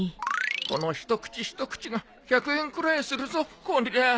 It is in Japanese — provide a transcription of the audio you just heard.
この一口一口が１００円くらいするぞこりゃ